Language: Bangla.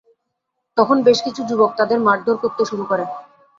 তখন বেশ কিছু যুবক তাদের মারধর করতে শুরু করে।